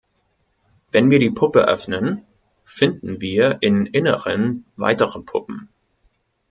Wenn wir die Puppe öffnen, finden wir in Inneren weitere Puppen.